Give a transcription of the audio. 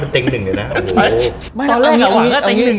ถึงเต้นกับหนึ่ง